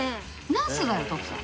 ナスだよ徳さん。